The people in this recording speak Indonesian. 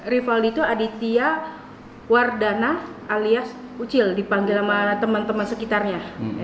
rivaldi itu aditya wardana alias ucil dipanggil sama teman teman sekitarnya